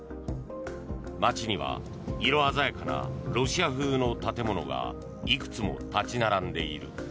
街には色鮮やかなロシア風の建物がいくつも立ち並んでいる。